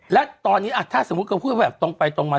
และตอนนี้ถ้าสมมุติเขาพูดแบบตรงไปตรงมา